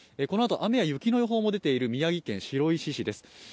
このあと雨や雪の予報も出ています宮城県白石市です。